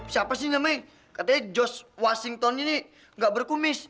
siapa sih namanya katanya jos washington ini gak berkumis